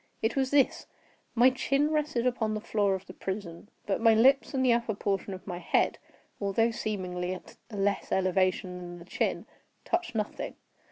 It was this: my chin rested upon the floor of the prison, but my lips and the upper portion of my head, although seemingly at a less elevation than the chin, touched nothing.